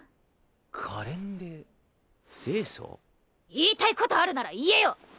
言いたい事あるなら言えよ！